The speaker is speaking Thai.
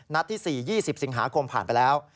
นัดที่สี่ลา๒๐สิงหาคมผ่านไปแล้ว